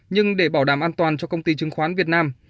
nhưng để bảo đảm an toàn cho công ty chứng khoán việt nam